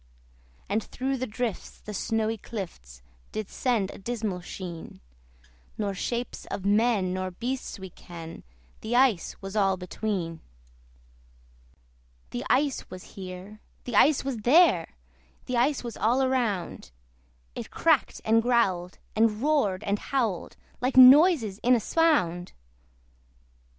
And through the drifts the snowy clifts Did send a dismal sheen: Nor shapes of men nor beasts we ken The ice was all between. The ice was here, the ice was there, The ice was all around: It cracked and growled, and roared and howled, Like noises in a swound!